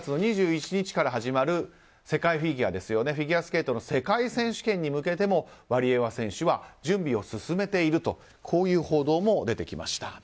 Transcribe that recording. ３月２１日から始まるフィギュアスケートの世界選手権に向けてもワリエワ選手は準備を進めているという報道も出てきました。